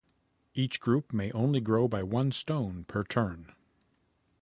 Each group may only grow by one stone per turn.